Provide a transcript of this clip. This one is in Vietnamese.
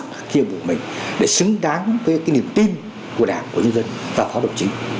đồng chí đều hoàn thành xuất sắc khiên vụ mình để xứng đáng với cái niềm tin của đảng của dân và phó đồng chí